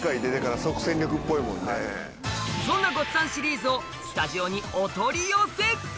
そんなごっつぁんシリーズをスタジオにお取り寄せ！